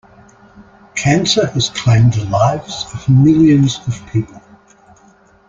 Cancer has claimed the lives of millions of people.